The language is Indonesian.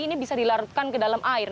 ini bisa dilarutkan ke dalam air